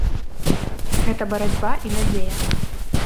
Гэта барацьба і надзея.